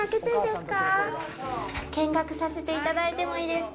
見学させていただいてもいいですか。